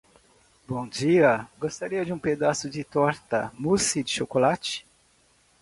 Bom dia, gostaria de um pedaço de torta musse de chocolate.